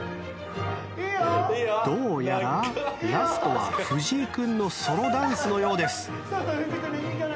どうやらラストは藤井君のソロダンスのようです。